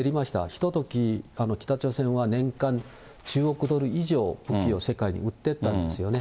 ひととき、北朝鮮は年間１０億ドル以上、武器を世界に売ってたんですよね。